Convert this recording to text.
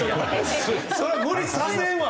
そりゃ無理させんわ！